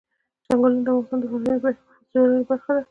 چنګلونه د افغانستان د فرهنګي فستیوالونو برخه ده.